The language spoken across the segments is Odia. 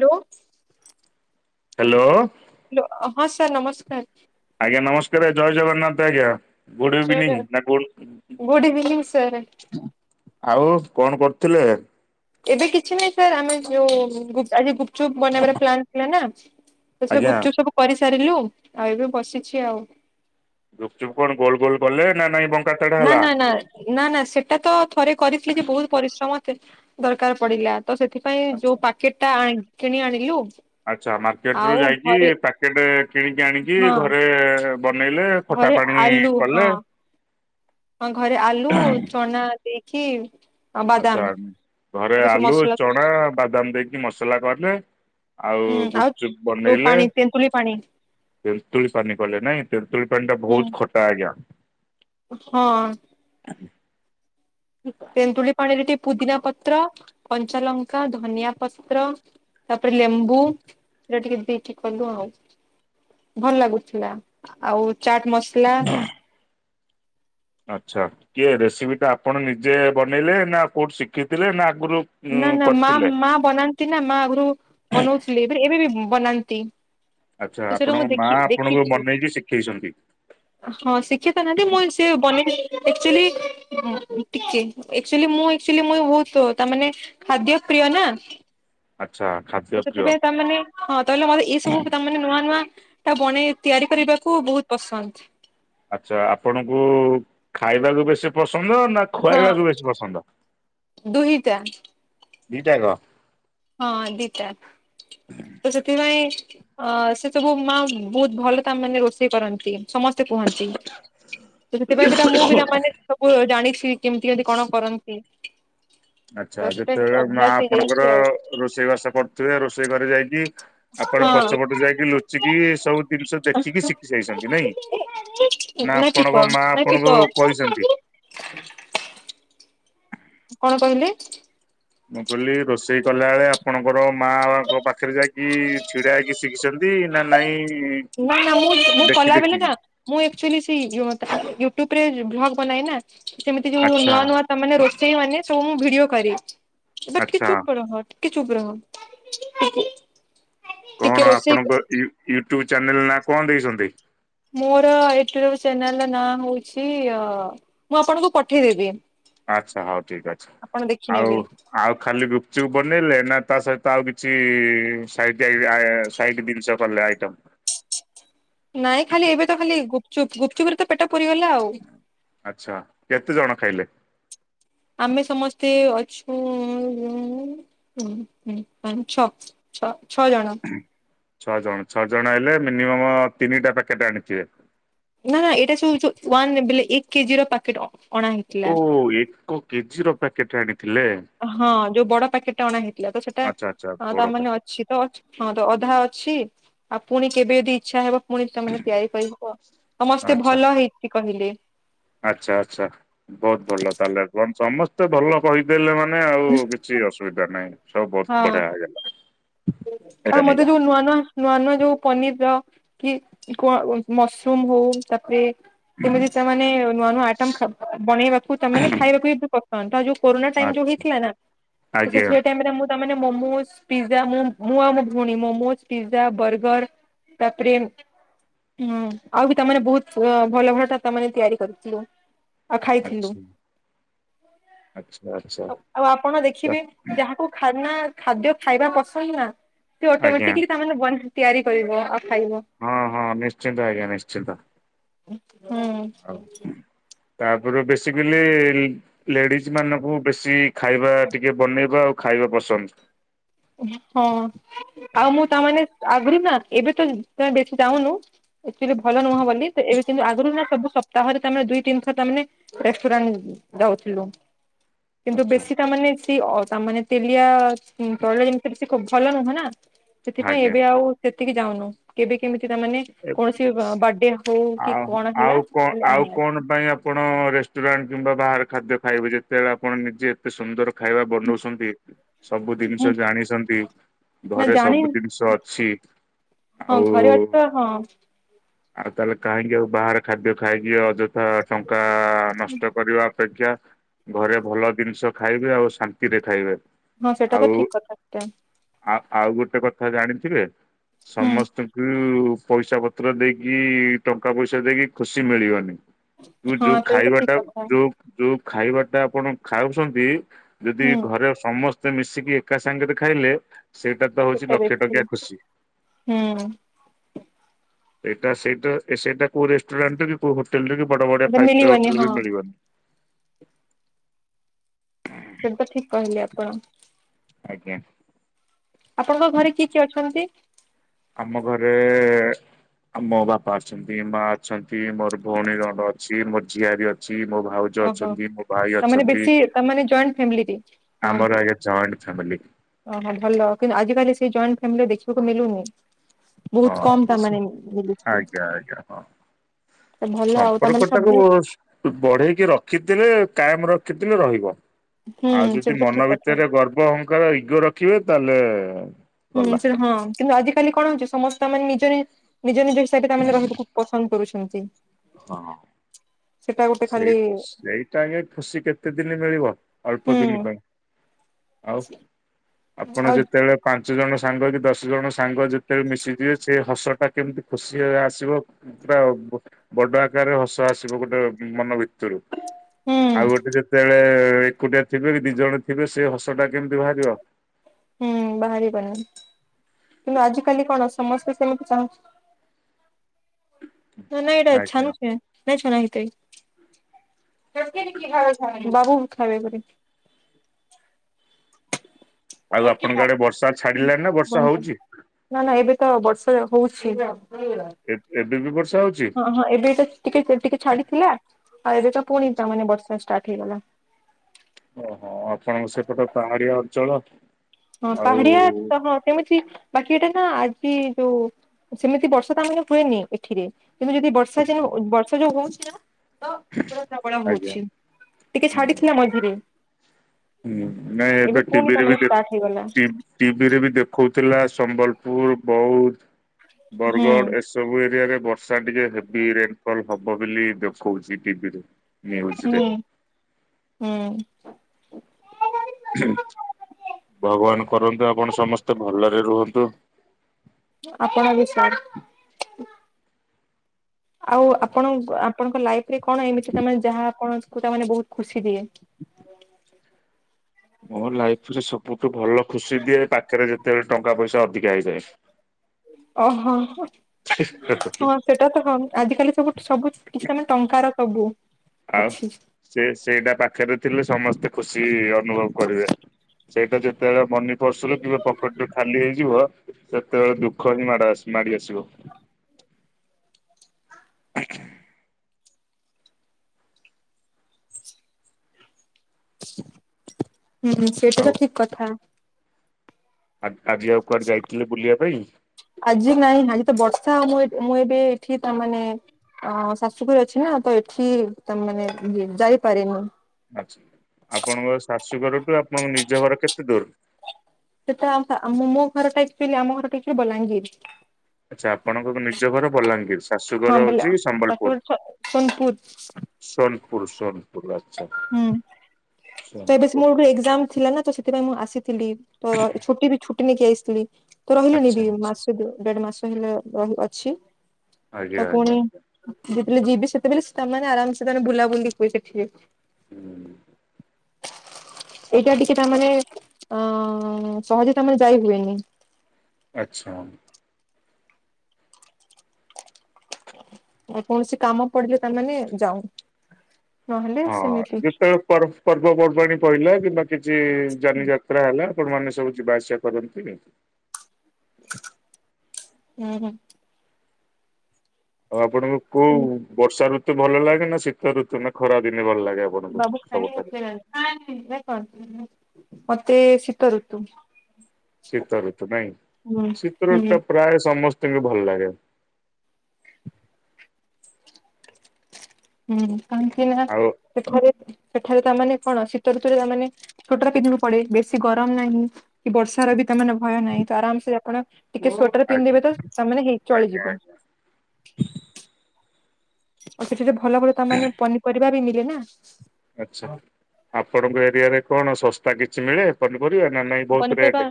ଲୋ। ହ୍ୟାଲୋ। ହ୍ୟାଲୋ ହଁ ସାର୍ ନମସ୍କାର। ଆଜ୍ଞା ନମସ୍କାରେ ଜୟ ଜଗନ୍ନାଥ ଆଜ୍ଞା। ଗୁଡ ଇଭିନିଂ ସାର୍ ନା ଗୁଡ ଗୁଡ୍ ଇଭିନିଂ ସାର୍। ଆଉ କଣ କରୁଥିଲେ। ଏବେ କିଛି ନାହିଁ। ସାର୍ ଆମେ ଯୋଉ ଗୁପ ଆଜି ଗୁପଚୁପ୍ ବନାଇବାରେ ପ୍ଲାନ୍ ଥିଲା ନା ସେଥିରେ ଆଜ୍ଞା ଗୁପଚୁପ୍ ସବୁ କରିସାରିଲୁ ଆଉ ଏବେ ବସିଚି ଆଉ। ଗୁପଚୁପ କଣ ଗୋଲ ଗୋଲ କଲେ ନା ନାଇଁ ବ ନା ନା ନା ନା ନା ସେଟା ତ ଥରେ କରିଥିଲି ଯେ ବୋହୁତ ପରିଶ୍ରମ ଦରକାର ପଡିଲା ତ ସେଥି ପାଇଁ ଆଛା ଯୋଉ ପାକେଟ ଟା କିଣି ଆଣିଲୁ। ଆଚ୍ଛା ମାର୍କେଟ ରୁ ଆଉ ଯାଇକି ଘରେ ପ୍ୟାକେଟେ କିଣିକି ଆଣିକି ହଁ ଘରେ ବନେଇଲେ ଖଟା ଘରେ ପାଣି ଆଲୁ ହଁ କଲେ। ହଁ ଘରେ ଆଲୁ ଚନା ଦେଇକି ଆଉ ବାଦାମ ଆଚ୍ଛା ଘରେ ତାକୁ ସବୁ ଆଲୁ ମସଲା ସବୁ ଚଣା ବାଦାମ ଦେଇକି ମସଲା କଲେ। ଆଉ ଗୁପ୍ ଚୁପ୍ ଯୋଉ ବନେଇଲେ। ପାଣି ତେନ୍ତୁଳି ପାଣି ତେନ୍ତୁଳି ପାନି କଲେ ନାଇଁ ତେନ୍ତୁଳି ପାଣି ଟା ହୁଁ ଭୋଉତ୍ ଖଟା ଆଜ୍ଞା। ହଁ। ଆ। ଠିକ ତେନ୍ତୁଳି ପାଣିରେ ଟିକେ ପୁଦିନା ପତ୍ର କଞ୍ଚାଲଙ୍କା ଧନିଆ ପତ୍ର ତାପରେ ଲେମ୍ବୁ ଏଇଟା ଟିକେ ଦେଇକି କଲୁ ଆଉ। ଭଲ ଲାଗୁଥିଲା ଆଉ ଚାଟ୍ ମସଲା ଆଚ୍ଛା କିଏ ରେସିପି ଟା ଆପଣ ନିଜେ ବନେଇଲେ ନା କୋଉଠି ଶିକିଥିଲେ ନା ଆଗରୁ ନା ଉଁ ନା ମା କରିଥିଲେ? ମା ବନାନ୍ତି ନା ମା ଆଗରୁ ବନଉଥିଲେ ଏ ଏବେ ବି ବନାନ୍ତି। ଆଚ୍ଛା ତ ସେଇଟା ମୁଁ ଆପଣଙ୍କ ମା ଦେଖି ଆପଣଙ୍କୁ ଦେଖିଛି। ବନେଇକି ଶିକେଇଛନ୍ତି। ହଁ ସିଖେତ ନାହାଁନ୍ତି ମୁଁ କ ସିଏ [unintelligible] ଟିକେ ଏକ୍ଚୁଲି ମୁଁ ଏକଚୁଲି ମୁଁ ବୋହୁତ ତାମାନେ ଖାଦ୍ୟ ପ୍ରିୟ ନା ଆଚ୍ଛା ତ ଖାଦ୍ୟପିୟ ସେଥିପାଇଁ ତାମାନେ ହଁ ତାହାଲେ ମୋର ଏଇ ସବୁ ତାମାନେ ନୂଆ ନୂଆଟା ବନେଇ ତିଆରି କରିବାକୁ ବୋହୁତ ପସନ୍ଦ। ଆଚ୍ଛା ଆପଣଙ୍କୁ ଖାଇବାକୁ ବେଶୀ ପସନ୍ଦ ନାଁ ହଁ ଦୁହିଟା। ଦିଟାଆକ? ହଁ ଦିଟା ତ ସେଥିପାଇଁ ଅ ସେ ସବୁ ମା ବହୁତ ଭଲ ତା ମାନେ ରୋଷେଇ କରନ୍ତି ସମସ୍ ତେ କୁହନ୍ତି ତ ସେଥିପାଇଁ ସେଟା ମୁଁ ବି ତାମାନେ ସବୁ ଜାଣିଛି କେମିତି ଅଦି କଣ କରନ୍ତି। ତ ଆଚ୍ଛା ସେଟା ଯେତେବେଳେ ମା ଅଭ୍ୟାସ ଆପଣଙ୍କର ହେଇଯାଇଛି ଆଉ ରୋଷେଇ ବାସ କରୁଥିବେ ରୋଷେଇ ଘରେ ଯାଇକି ଆପଣ ହଁ। ପଛପଟୁ ଯାଇକି ଲୁଚିକି ଏ ସବୁ ଦିନିଷ ଦେଖିକି ଶିଖି ଯାଇଛନ୍ତି ନାଇଁ? ନାଁ ନା ଠିକ ଆପଣଙ୍କ ମା ନା ଠିକ ଆପଣଙ୍କୁ କହିଛନ୍ତି? କଣ କହିଲେ? ମୁଁ କହିଲି ରୋଷେଇ କଲା ବେଳେ ଆପଣଙ୍କର ମାଆଙ୍କ ପାଖରେ ଯାଇକି ଛିଡ଼ା ହେଇକି ଶିଖିଛନ୍ତି ନାଁ ନାଇଁ ନାଁ ନାଁ ମୁଁ ମୁଁ ଦେଖି କଲା ବଲେ ନାଁ ଦେଖିକି ମୁଁ ଏକ୍ଚୁଲି ସେଇ ଯୋଉ ତାହା ୟୁଟୁବରେ ଭ୍ଲଗ୍ ବନାଏ ନା। ସେମିତି ଯୋଉ ଆଚ୍ଛା ନୂଆ ନୂଆ ତାମନେ ରୋଷେଇ ମାନେ ସବୁ ମୁଁ ଭିଡ଼ିଓ କରେ। ଏବେ ଟିକେ ଆଚ୍ଛା ଚୁପ୍ ରହ ଟିକେ ଚୁପ୍ ରହ। ଟିକେ କଣ ରୋଷେଇ ଆପଣଙ୍କ ୟୁ ୟୁଟ୍ୟୁବ ଚ୍ୟାନେଲ ନାଁ କଁ ଦେଇଛନ୍ତି? ମୋର ୟୁଟ୍ୟୁବ ଚ୍ୟାନେଲର ନାଁ ହଉଛି ଅ ମୁଁ ଆପଣଙ୍କୁ ପଠେଇଦେବି। ଆଚ୍ଛା ହଉ ଠିକ୍ ଅଛି ଆପଣ ଆଉ ଦେଖିନେବେ ଆଉ ଖାଲି ଗୁପଚୁପ୍ ବନେଇଲେ ନାଁ ତା ସହିତ ଆଉ କିଛି ସାଇଟ୍ ଆଇରେ ଆ ସାଇଟି ଦିନଷ କଲେ ଆଇଟମ୍। ନାଇଁ ଖାଲି ଏବେ ତ ଖାଲି ଗୁପଚୁପ୍ ଗୁପଚୁପ୍ ରେ ତ ପେଟ ପୁରିଗଲା ଆଉ। ଆଚ୍ଛା କେତେ ଜଣ ଖାଇଲେ? ଆମେ ସମସ୍ତେ ଅଛୁ ଉଁ ହୁଁ ହୁଁ ପାଞ୍ଚ ଛଅ। ଛଅ ଛଅ ଜଣ। ଛଅ ଜଣ ଛଅ ଜଣ ହେଲେ ମିନିମମ୍ ତିନିଟା ପ୍ୟାକେଟ୍ ଆଣିଥିବେ। ନାଁ ଏଇଟା ସଉ ଯୋଉ ୱାନ୍ ବେଲେ ଏକ କେ ଜି ର ପାକେଟ ଅ ଅଣା ହେଇ ଓ ଏକ କେ ଜି ର ପ୍ୟାକେଟ୍ ଆଣିଥିଲେ। ହଁ ଯୋଉ ବଡ଼ ପ୍ୟାକେଟଟା ଅଣା ହେଇଥିଲା ତ ସେଟା ଆଚ୍ଛା ଆଚ୍ଛା ଅ ବଡ ତାମାନେ ପ୍ୟାକେଟ ଅଛି ତ ଅଛ୍ ହଁ ତ ଅଧା ଅଛି ଆଉ ପୁଣି କେବେ ଅଦି ଇଚ୍ଛା ହେବ ପୁଣି ତାମାନେ ତିଆରି କରି ହବ ସମସ୍ତେ ଆଚ୍ଛା ଭଲ ହେଇଛି କହିଲେ। ଆଚ୍ଛା ଆଚ୍ଛା ବହୁତ ଭଲ ତାହେଲେ ଏବଂ ସମସ୍ତେ ଭଲ କହିଦେଲେ ମାନେ ଆଉ ବି ଛି ଅସୁବିଧା ନାହିଁ ସବୁ ହଁ ବହୁତ ବଢ଼ିଆ ହେଇଗଲା। ଏଇଟା ଆଉ ମତେ ନେଇଯା ଯୋଉ ନୂଆ ନୂଆ ନୂଆ ନୂଆ ଯୋଉ ପନିରର କି କ ମସରୁମ୍ ହଉ ତାପରେ ତେମିତି ତାମାନେ ନୂଆ ନୂଆ ଆଇଟମ ଖ ବନେଇବାକୁ ତାମାନେ ଖାଇବାକୁ ବି ବ ପ ହଁ ତ ଯୋଉ କୋରୋନା ଟାଇମ୍ ଯୋଉ ଆଚ୍ଛା ହେଇଥିଲା ନାଁ ତ ସେ ଆଜ୍ଞା ସେଇ ଟାଇମ୍ ରେ ମୁଁ ତାମାନେ ମମୋସ୍ ପିଜା ମୁଁ ମୁଁ ଆଉ ମୋ ଭଉଣୀ ମୋମୋଜ ପିଜା ବର୍ଗର ତାପରେ ଉଁ ଆଉ ବି ତାମାନେ ବୋହୁତ ଅ ଭଲ ଭଲଟା ତମାନେ ତିଆରି କରିଥିଲୁ। ଆଉ ଖାଇଥିଲୁ। ଆଚ୍ଛା। ଆଚ୍ଛା ଆଚ୍ଛା ଆଉ ଆଉ ଆପଣ ଦେଖିବେ ଯାହାକୁ ଖାନା ଖାଦ୍ୟ ଖାଇବା ପସନ୍ଦ ନାଁ ତେ ଆଜ୍ଞା ଅଟମେଟିକଲି ତାମାନେ ବନ୍ ତିଆରି କରିବ ଆଉ ଖାଇବ। ହଁ ହଁ ନିଶ୍ଚିନ୍ତ ଆଜ୍ଞା ନିଶ୍ଚିନ୍ତ। ହୁଁ। ଆଉ ତାପରେ ବେସିକାଲି ଲେଡିଜ ମାନଙ୍କୁ ବେଶୀ ଖାଇବା ଟିକେ ବନେଇବା ଆଉ ଖାଇବା ପସନ୍ଦ। ଏଇ ଖ ଆଉ ମୁଁ ତାମାନେ ଆଗରୁ ନାଁ ଏବେ ତମେ ବେଶି ଯାଉନୁ ଏଥିରେ ଭଲ ନୁହଁବୋଲି। ଏବେ କିନ୍ତୁ ଆଗରୁ ନାଁ ସବୁ ସପ୍ତାହରେ ତା ମାନେ ଦୁଇ ତିନିଥର ତା ମାନେ ରେଷ୍ଟୁରାଣ୍ଟ ଯାଉଥିଲୁ। କିନ୍ତୁ ଆଚ୍ଛା ବେଶୀ ତା ମାନେ ସେ ତା ମାନେ ତେଲିଆ ତୈଳ ଯେମିତି ସେ ଭଲ ନୁହଁ ନାଁ ସେଥିପାଇଁ ଆଜ୍ଞା। ଏବେ ଆଉ ସେତିକି ଯାଉନୁ କେବେ କେମିତି ତାମାନେ କୌଣସି ବାର୍ଥଡେ ହଉ କି ଆଉ କଣ ହେଲା ଆଉ କଣ ଖାଲି ଆଉ ଆଣି କଣ ଆସୁ। ପାଇଁ ଆପଣ ରେଷ୍ଟୁରାଣ୍ଟ କିମ୍ବା ବାହାର ଖାଦ୍ୟ ଖାଇବୁ ଯେତେବେଳେ ଆପଣ ନିଜେ ଏତେ ସୁନ୍ଦର ଖାଇବା ବନଉଛନ୍ତି ସବୁ ମୁଁ ଜିନିଷ ଜାଣିଛନ୍ତି। ନା ଘରେ ସବୁ ଜାଣିନି ଜିନିଷ ଅଛି। ହଁ ଆଉ ଘରେ ଅଛି ତ ହଁ। ଆଉ ତାହେଲେ କାହିଁକି ଆଉ ବାହାର ଖାଦ୍ୟ ଖାଇକି ଅଯଥା ଟଙ୍କା ଗାଁ ନଷ୍ଟ କରିବା ଅପେକ୍ଷା ଘରେ ଭଲ ଜିନିଷ ଖାଇବେ ଆଉ ଶାନ୍ତିରେ ଖାଇବେ। ହଁ ସେଟା ତ ଠିକ୍ କଥା। ଆ ଆଉ ଗୋଟେ କଥା ଜାଣିଥିବେ ହୁଁ ସମସ୍ତଙ୍କୁ ପଇସା ପତ୍ର ଦେଇକି ଟଙ୍କା ପଇସା ଦେଇକି ଖୁସି ମିଳିବନି। କି ହଁ ଯୋଉ ସେଇଟା ତ ଖାଇବା ଠିକ ଟା କଥା ଯୋଉ ଯୋଉ ଖାଇବାଟା ଆପଣ ଖାଉଛନ୍ତି ଯଦି ହୁଁ ଘରେ ସମସ୍ତ ମିଶିକି ଏକା ସାଙ୍ଗ ରେ ଖାଇଲେ ସେଇଟା ତ ହଉଛି ସେଟା ଲକ୍ଷେ ବେଶୀ ଟଙ୍କିଆ ଖୁସି। ହୁଁ। ଏଇଟା ସେଟ ଏ ସେଇଟା କୋଉ ରେଷ୍ଟୁରାଣ୍ଟ କି କୋଉ ହୋଟେଲରେ ବି ବଡ ବଡ ସେଟା ଫାଇଫଷ୍ଟାର ମିଳିବନି ହୋଟେଲରେ ହଁ ବି ମିଳିବନି। ସେଟା ଠିକ୍ କହିଲେ ଆପଣ। ଆଜ୍ଞା। ଆପଣଙ୍କ ଘରେ କିଏ କିଏ ଅଛନ୍ତି? ଆମ ଘରେ ଆମ ବାପା ଅଛନ୍ତି। ମା ଅଛନ୍ତି ମୋର ଭଉଣୀ ରଣ୍ଡ ଅଛି ମୋର ଝିଆରି ଅଛି ମୋ ଭାଉ ଜ ଓହୋ ଅଛନ୍ତି ମୋର ଭାଇ ତାମାନେ ଅଛନ୍ତି। ବେଶୀ ତାମାନେ ଜଏଣ୍ଟ ଫ୍ୟାମିଲିରେ ରହନ୍ତି। ଆମର ଆଜ୍ଞା ଜଏଣ୍ଟ ଫ୍ୟାମିଲି। ଓହୋ ଭଲ କିନ୍ତୁ ଆଜିକାଲି ସେ ଜଏଣ୍ଟ ଫ୍ୟାମିଲି ଦେଖିବାକୁ ମିଳୁନି। ହଁ ବହୁତ୍ କମ୍ ତା ମାନେ ମିଳୁଛି। ଆଜ୍ଞା ଆଜ୍ଞା ହଁ। ତ ଭଲ ଆଉ ତାମାନେ ସମ୍ପର୍କଟାକୁ ସବୁ ବଢେଇକି ରଖିଥିଲେ କାଏମ୍ ରଖିଥିଲେ ରହିବ। ହୁଁ ଆଉ ଯଦି ସେଟା ତ ମନ ଠିକ କଥା ଭିତରେ ଗର୍ବ ହଙ୍କାର ଇଗୋ ରଖିବେ ତାହେଲେ ହୁଁ ଗଲା। ସେଟା ହଁ କିନ୍ତୁ ଅଜିି କାଲି କଣ ହଉଛି ସମସ୍ତେ ମାନେ ନିଜ ନିଜ ନିଜ ହିସାବରେ ତାମାନେ ରହିବାକୁ ପସନ୍ଦ କରୁଛନ୍ତି। ହଁ। ସେଟା ଗୋଟେ ସେଇ ଖାଲି ସେଇଟା ଆଜ୍ଞା ଖୁସି କେତେ ଦିନ ମିଳିବ ଅଳ୍ପ ହୁଁ ଦିନି ପାଇଁ। ଆଉ ଆପଣ ଆଉ ଯେତେବେଳେ ପାଞ୍ଚ ଜଣ ସାଙ୍ଗ କି ଦଶ ଜଣ ସାଙ୍ଗ ଯେତେବେଳେ ମିଶିଯିବେ ସେ ହସ ଟା କେମିତି ଖୁସି ଆସିବ। ପୁରା ବଡ ଆକାରରେ ହସ ଆସିବ ଗୋଟେ ମନ ଭିତ ରୁ ହୁଁ ଆଉ ଗୋଟେ ଯେତେବେଳେ ଏ କୁଟିଆ ଥିବେ କି ଦି ଜଣ ଥିବେ ସେ ହସ ଟା କେମିତି ବାହାରିବ। ହୁଁ ବାହାରିବନି କିନ୍ତୁ ଆଜି କାଲି କଣ ସମସ୍ତେ ସେମିତି ଚାହୁଁ ନା ନା ଏଟା ଆଜ୍ଞା। ଛାଣୁଛେ। [unintelligible] ବାବୁ ଖାଇ ବେ ବୋଲି ଆଉ ଆପଣଙ୍କ ଆଡେ ବର୍ଷା ଛାଡିଲାଣିି ନା ବର୍ଷା ହୋଉଚି? ନା ନା ଏବେ ତ ବର୍ଷା ହୋଉଛି। ଏ-ଏବେ ବି ବର୍ଷା ହୋଉଛି। ହଁ- ହଁ ଏବେ ତ ଟିକେ ଟିକେ ଛାଡିଥିଲା। ଆଉ ଏବେ ତ ପୁଣି ତା ମାନେ ବର୍ଷା ଷ୍ଟାର୍ଟ ହେଇଗଲା। ଓହୋ ଆପଣଙ୍କ ସେପଟେ ପାହାଁଡିଆ ଅଞ୍ଚଳ। ହଁ ଆଉ ପାହାଡିଆ ତ ହଁ କେମିତି? ବାକି ଏଟା ନା ଆଜି ଯୋଉ ସେମିତି ବର୍ଷା ତା ଆମର ହୁଏନି ଏଠିରେ। କିନ୍ତୁ ଯଦି ବର୍ଷା ଯେ ବର୍ଷା ଯୋଉ ହୋଉଛି ନା ତ ପୁରା ପ୍ରବଳ ଆଜ୍ଞା ହୋଉଛି, ଟିକେ ହୁଁ ଛାଡିଥିଲା ମଝିରେ। ହୁଁ ନା ଏବେ ପୁଣି ତା ଟିବିରେ ମାନେ ବି ଦେ ଷ୍ଟାର୍ଟ ହେଇଗଲା। ଟିଭି ରେ ବି ଦେଖଉଥିଲା ସମ୍ବଲପୁର୍, ବୌଦ୍ଧ୍, ବର୍ ହୁଁ ଗଡ଼ ଏ ସବୁ ଏରିଆରେ ବର୍ଷା ଟିକେ ହେଭି ରେନ୍ ଫଲ୍ ହବ ବୋଲି ଦେଖଉଛି ଟିଭିରେ ନ୍ୟୁଜରେ ହୁଁ -ହୁଁ। ଖୁମ୍ ଭଗବାନ କରନ୍ତୁ ଆପଣ ସମସ୍ତେ ଭଲରେ ରୁହନ୍ତୁ। ଆପଣ ବି ସାର୍ ଆଉ ଆପଣ ଆପଣଙ୍କ ଲାଇଫ ରେ କଣ ଏମିତିକା ଯାହା ଆପଣଙ୍କୁମାନେ ବୋହୁତ୍ ଖୁସି ଦିଏ। ମୋ ଲାଇଫ୍ ରେ ସବୁଠୁ ଭଲ ଖୁସି ଦିଏ, ପାଖରେ ଯେତେବେଳେ ଟଙ୍କା ପଇସା ଅଧିକା ହେଇଯାଏ। ଓ ହଁ- ହଁ-ହଁ ସେଟା ତ ହଁ ଆଜିକାଲି ସବୁ ସବୁ କିଛିଟା ମାନେ ଟଙ୍କାର ସବୁ। ଆଉ ଅଛି। ସେ ସେଇଟା ପାଖରେ ଥିଲେ ସମସ୍ତେ ଖୁସି ଅନୁଭବ କରିବେ। ସେଇଟା ଯେତେବେଳେ ମନି ପର୍ସରୁୁ କି ପକେଟୁ ଖାଲି ହେଇଯିବ। ସେତେବେଳେ ଦୁଃଖ ହିଁ ମାଡ- ମାଡି ଆସିବ। ଆଜ୍ଞା। ହୁଁ ସେଟା ଆଉ ତ ଠିକ୍ କଥା। ଆ-ଆଜି ଆଉ କୁଆଡେ ଯାଇଥିଲେ ବୁଲିବା ପାଇଁ? ଆଜି ନାଇଁ ଆଜି ତ ବର୍ଷା ମୁଁ ଏଠି ମୁଁ ଏବେ ଏଠି ତା ମାନେ ଅଁ ଶାଶୁଘରେ ଅଛି ନା ତ ଏଠି ତା ମାନେ ଯାଇପାରେନି। ଆଛା ଆପଣଙ୍କ ଶାଶୁଘରଠୁ ଆପଣଙ୍କ ନିଜ ଘର କେତେ ଦୂର୍? ସେଟା ଆମ୍ ମୋ ଘରଟା ଆକଚୁଲି ଆମ ଘରଟା ଟିକେ ବଲାଙ୍ଗୀରୀ। ଆଚ୍ଛା ଆପଣଙ୍କ ନିଜ ଘର ବଲାଙ୍ଗୀର୍ ହଁ ଶାଶୁଘର ବେଲେ ହୋଉଛି ଶାଶୁଘର ସମ୍ବଲପୁର୍। ସ ସୋନପୁର ସୋନପୁର୍ ସନ୍ [unintelligible] ହୁଁ ତ ଏବେ ମୋର ଗୋଟେ ଏକ୍ଜାମ୍ ଥିଲା ନା ତ ସେଥିପାଇଁ ମୁଁ ଆସିି ଥିଲି, ତ ଛୁଟି ବି ଛୁଟି ନେଇକି ଆସ୍ ଥିଲି ତ ରହିଲିଣିି ଆଚ୍ଛା ବି ଆଚ୍ଛା। ମାସେ ଦେଢ ମାସେ। [unintelligible] ରହିଅଛି ଆଜ୍ଞା ତ ଆଜ୍ଞା ପୁଣି ଆଜ୍ଞା ଯେତେବେଳେ ଯିବି ସେତେବେଳେ ସେମାନେ ଆରାମ୍ ସେ ବୁଲାବୁଲି ହୁଏ ସେଠି ହୁଁ। ଏଇଟା ଟିକେ ତାମାନେ ଅଁ -ଅଁ-ଅଁ-ଅ ସହଜେ ତାମାନେ ଯାଇ ହୁଏନି। ଆଚ୍ଛା। ଆଉ କୌଣସି କାମ ପଡିଲେ ତାମାନେ ଯାଉଁ ନହେଲେ ସେମିତି। ପର୍ବ -ପର୍ବ ପର୍ବାଣୀ ପଇଲା କିମ୍ବା କିଛି ଜାନିଯା ଯାତ୍ରା ହେଲା ଆପଣ ମାନେ ସବୁ ଯିବା ଆସିବା କରନ୍ତିନି। ହୁଁ ହୁଁ। ଆଉ ଆପଣଙ୍କୁ କୋଉ ସେମି ବର୍ଷା ଋତୁ ଭଲ ଲାଗେ ନା ଶୀତ ଋତୁ ନା ଖରା ଦିନେ ଭଲ ଲାଗେ ଆପଣଙ୍କୁ? ବାବୁ ସବୁଠାରୁ [unintelligible] ମତେ ଶୀତ ଋତୁ। ଶୀତଋତୁ ନାଇଁ ହୁଁ ହୁଁ ଶୀତଋତୁ ଟା ପ୍ରାୟ ସମସ୍ତେଙ୍କୁ ଭଲ ଲାଗେ। ହୁଁ କାହିଁକି ନା ଆଉ ସେଠାରେ ସେଠାରେ [inaudible] ତାମାନେ କଣ ଶୀତ ଋତୁରେ ତାମାନେ ସ୍ୱେଟର ପିନ୍ଧିବାକୁ ପଡ଼େ ବେଶୀ ଗରମ ନାହିଁ। କି ବର୍ଷା ର ବି ତା ମାନେ ଭୟ ନାହିଁ ତ ଆରାମ୍ ସେ ଆପଣ ଟିକେ ସ୍ଵେଟର ଆଜ୍ଞା ପିନ୍ଧିବେ ତ ତାମାନେ ଆଜ୍ଞା ଚଳିଯିବ। ଆଜ୍ଞା ଆଉ ସେଠାରେ ଭଲ ଭଲ ତା ମାନେ ପନିପରିବା ବି ମିଳେ ନା। ଆଚ୍ଛା, ଆପଣଙ୍କ ଏରିଆରେ କଣ ଶସ୍ତା କିଛି ମିଳେ ପନିପରିବା ନା ନାଇଁ ବହୁତୁ ପନିପରିବା ରେଟ୍?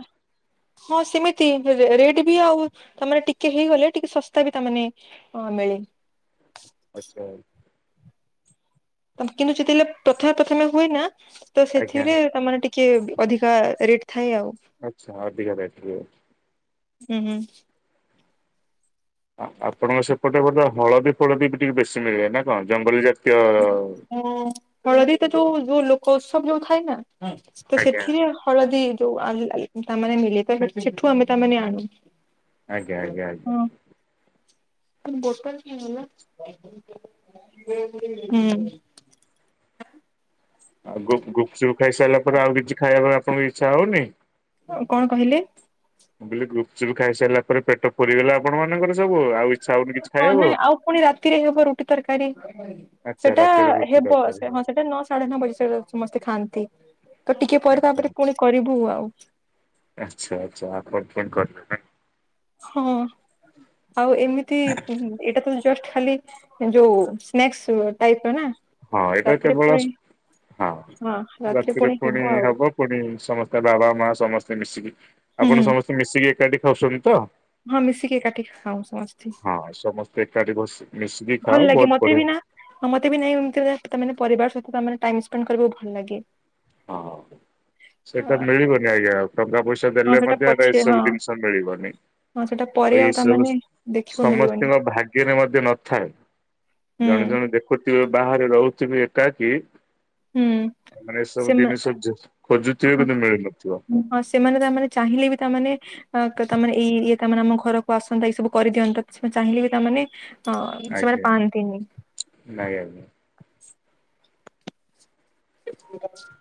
ହଁ ସେମିତି, ରେଟ୍ ବି ଆଉ ତାମାନେ ଟିକେ ହେଇଗଲେ ଟିକେ ଶସ୍ତା ବି ତା ମାନେ ହଁ ମିଳେ। ଆଚ୍ଛା। କିନ୍ତୁ ଯେତେବେଳେ ପଥମେ ପଥମେ ହୁଏ ନା ତ ଆଜ୍ଞା ସେଥିରେ ତମର ଟିକ୍ କିଏ ଅଧିକା ରେଟ୍ ଥାଏ ଆଉ। ଆଚ୍ଛା ଅଧିକା ରେଟ୍ ରୁହେ। ହୁଁ ହୁଁ। ଆପଣଙ୍କ ସେପଟେ ବୋଧେ ହଳଦୀ ଫଳଦୀ ବି ଟିକେ ବେଶୀ ମିଳେ ନା କଣ ଜଙ୍ଗଲୀ ଜାତ୍ ହଁ ହଳଦୀ ତ ଯୋଉ ଯୋଉ ଲୋକ ସବୁ ଥାଏ ନା ତ ଆଜ୍ଞା ସେଥିରେ ହଳଦୀ ଯୋଉ ତାମାନେ ମିଲେଇ ପାରିବେ ତ ସେଠୁ ଆମେ ତାମାନେ ଆନୁ। ଆଜ୍ଞା ହାଲୋ ଆଜ୍ଞା ଆଜ୍ଞା ହଁ। ବୋଟଲ କି ଗଲା। ହୁଁ। ଆଉ ଗୁପ ଗୁପଚୁପ୍ ଖାଇ ସାଇଲା ପରେ ଆଉ କିଛି ଖାଇଆ ପାଇଁ ଆପଣଙ୍କ ଇଚ୍ଛା ହଉନି? ଆ କଣ କହିଲେ? ମୁଁ କହିଲି ଗୁପଚୁପ୍ ଖାଇସାରିଲା ପରେ ପେଟ ପୁରିଗଲା ଆପଣ ମାନଙ୍କର ସବୁ ଆଉ ଇଚ୍ଛା ହଉନି କିଛି ହଁ ଖାଇଆକୁ? ନାଇଁ ଆଉ ପୁଣି ରାତିରେ ହେବ ରୁଟି ତରକାରୀ ସେଟା ହେବ, ସେ ହଁ ସେଟା ନ ସାଢେ ନଅ ବଜେ ସମସ୍ତେ ଖାଆନ୍ତି। ତ ଟିକେ ପରେ ଆଚ୍ଛା ତାପରେ ଆଚ୍ଛା କୁଣି କରିବୁ ଆଉ। ଆଚ୍ଛା ଆଚ୍ଛା ଆପଣ ଫୁଣି କରିବେ ନାଇଁ? ହଁ ଆଉ ଏମିତି ଏଇଟା ତ ଜଷ୍ଟ ଖାଲି ଯୋଉ ସ୍ନେକ୍ସ୍ ଟାଇପ୍ ର ନା। ହଁ ଏଇଟା ରାତିରେ କେବଳ। ପୁଣି ହଁ। ରାତିରେ ପୁଣି ହବ ପୁଣି ସମସ୍ତେ ବାବା ମା ସମସ୍ତେ ମିଶିକି ହୁଁ ଆପଣ ସମସ୍ତେ ମିଶିକି ଏକାଠି ଖାଉଚନ୍ତି ତ? ହଁ ମିଶିକି ଏକାଠି ଖାଉ ସମସ୍ତେ। ହଁ ସମସ୍ତେ ଏକାଠି ବସି ମିଶିକି ଭଲ ଖାଅ ଲାଗେ ବହୁତ୍ ମତେ ବି ବଢିଆ। ନା ହଁ ମତେ ବି ନାଇଁ ଏମତି ତାମାନେ ପରିବାର ସହିତ ଟାଇମ ସ୍ପେଣ୍ଡ୍ କରିବାକୁ ଭଲ ଲାଗେ। ହଁ ସେଟା ମିଳିିବନି ଆଜ୍ଞା ଆଉ ଟଙ୍କା ପଇସା ହଁ ଦେଲେ ସେଟା ମଧ୍ୟ ଏଟା ପଛେ ହଁ ଏସବୁ ଜିନିଷ ମିଳିବନି। ହଁ ସେଟା ଆଉ ପରେ ଏ ସବୁ ତାମାନେ ଦେଖିବାକୁ ମିଳିବନି ସମସ୍ତିଙ୍କ ଭାଗ୍ୟରେ ମଧ୍ୟ ନ ଥାଏ। ହୁଁ ଜଣେ ଜଣେ ଦେଖୁଥିବେ ବାହାରେ ରହୁଥିବେ ଏକା କି ହୁଁ। ସବୁ ସେମାନେ ଜିନିଷ ଖୋଜୁଥିବେ ହଁ କିନ୍ତୁ ମିଳୁ ନ ଥିବ। ହଁ ସେମାନେ ତା ମାନେ ଚାହିଁଲେ ବି ତା ମାନେ ଆ ତା ମାନେ ଏଇ ଇଏ ତା ମାନେ ଆମ ଘରକୁ ଆସନ୍ତା କି ସବୁ କରିଦିଅନ୍ତା ସେମାନେ ଚାହିଁଲେ ବି ତା ମାନେ ହଁ ସେମାନେ ଆଜ୍ଞା ପାଆନ୍ତିନି। ନାଇଁ ଆଜ୍ଞା। [inaudible]